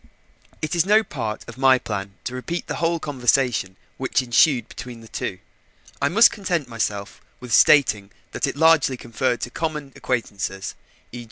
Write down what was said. It is no part of my plan to repeat the whole conversation which ensued between the two. I must content myself with stating that it largely referred to common acquaintances, e.